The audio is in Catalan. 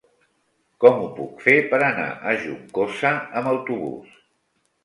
Com ho puc fer per anar a Juncosa amb autobús?